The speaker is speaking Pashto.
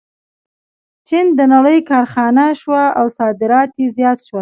چین د نړۍ کارخانه شوه او صادرات یې زیات شول.